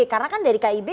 karena kan dari kib